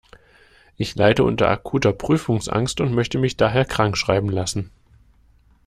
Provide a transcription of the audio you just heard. Ich leide unter akuter Prüfungsangst und möchte mich daher krankschreiben lassen.